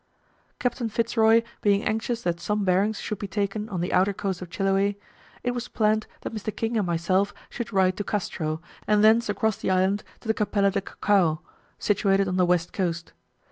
Captain Fitz Roy being anxious that some bearings should be taken on the outer coast of Chiloe, it was planned that Mr. King and myself should ride to Castro, and thence across the island to the Capella de Cucao, situated on the west coast.